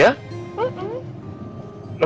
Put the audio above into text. aku udah selesai ujian loh